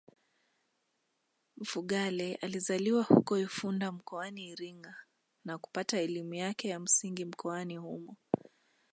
Mfugale alizaliwa huko Ifunda mkoani Iringa na kupata elimu yake ya msingi mkoani humo